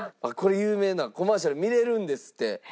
有名なコマーシャル見れるんですって。